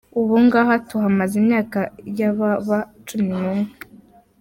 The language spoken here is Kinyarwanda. Ubu ngaha tuhamaze imyaka yababa cumi n'umwe.